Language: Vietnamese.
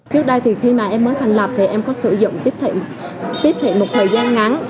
trước đây thì khi mà em mới thành lập thì em có sử dụng tiếp thị tiếp thị một thời gian ngắn